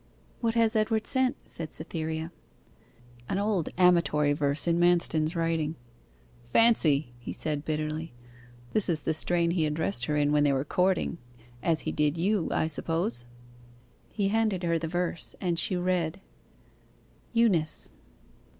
'What has Edward sent?' said Cytherea. 'An old amatory verse in Manston's writing. Fancy,' he said bitterly, 'this is the strain he addressed her in when they were courting as he did you, I suppose.' He handed her the verse and she read 'EUNICE.